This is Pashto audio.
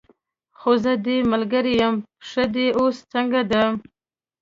خو زه دې ملګرې یم، پښه دې اوس څنګه ده؟